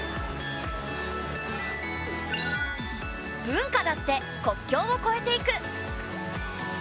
文化だって国境をこえていく。